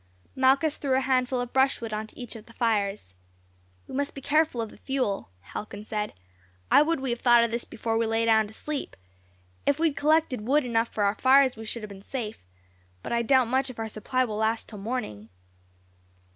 Malchus threw a handful of brushwood on to each of the fires. "We must be careful of the fuel," Halcon said. "I would we had thought of this before we lay down to sleep. If we had collected wood enough for our fires we should have been safe; but I doubt much if our supply will last till morning."